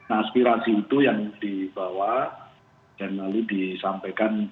aspirasi itu yang dibawa dan lalu disampaikan